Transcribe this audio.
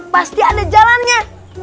pasti ada jalannya